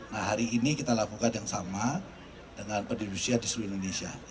nah hari ini kita lakukan yang sama dengan pendirian di seluruh indonesia